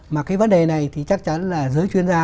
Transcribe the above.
mà cái vấn đề này thì chắc chắn là giới chuyên gia